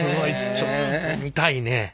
ちょっと見たいね。